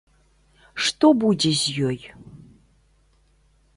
Што будзе з ёй?